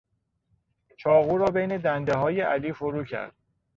چاقو را بین دندههای علی فرو کرد.